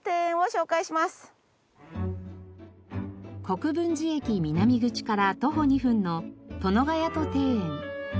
国分寺駅南口から徒歩２分の殿ヶ谷戸庭園。